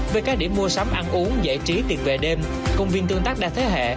với các điểm mua sắm ăn uống giải trí tiệc về đêm công viên tương tác đa thế hệ